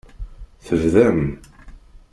Tebdam.